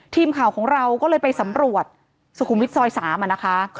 ทีมข่าวของเราก็เลยไปสำรวจสุขุมวิทย์ซอย๓นะคะ